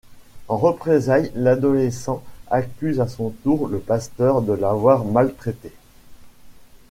En représailles l'adolescent accuse à son tour le pasteur de l'avoir maltraité.